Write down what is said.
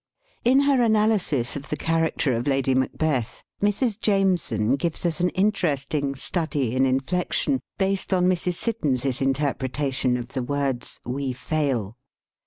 In her analysis of the character of Lady Macbeth, Mrs. Jameson gives us an interest ing "Study in Inflection," based on Mrs. Siddons's interpretation of the words "We fail."